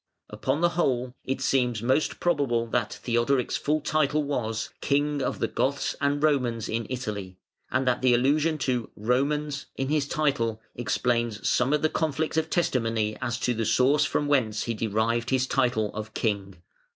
Upon the whole, it seems most probable that Theodoric's full title was "King of the Goths and Romans in Italy" and that the allusion to "Romans" in his title explains some of the conflict of testimony as to the source from whence he derived his title of King.